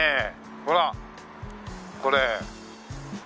ほらこれ。